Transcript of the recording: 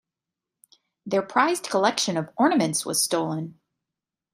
Their prized collection of ornaments was stolen.